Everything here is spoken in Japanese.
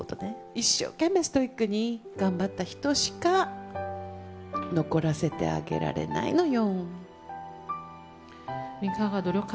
一生懸命ストイックに頑張った人しか残らせてあげられないのよ。